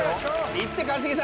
いって一茂さん。